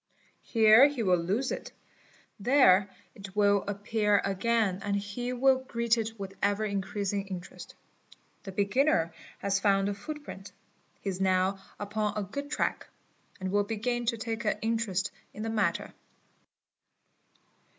Here he will lose it, there it will 4 pear again and he will greet it with ever increasing interest; the eginner has found a footprint; he is now upon "a good track," and A RA NIRA BAS INCRE AE RSI vill begin to take an interest in the matter.